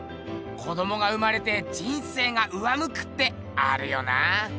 子どもが生まれて人生が上むくってあるよな。